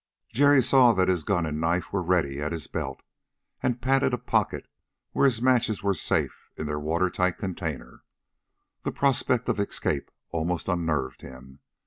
Jerry saw that his gun and knife were ready at his belt, and patted a pocket where his matches were safe in their watertight container. The prospect of escape almost unnerved him.